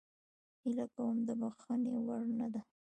هیله کوم د بخښنې وړ نه ده